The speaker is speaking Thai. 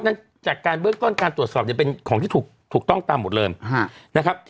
จากการเบื้องต้นการตรวจสอบเนี่ยเป็นของที่ถูกต้องตามหมดเลยนะครับ